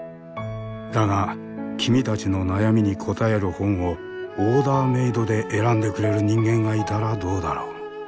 だが君たちの悩みに答える本をオーダーメードで選んでくれる人間がいたらどうだろう？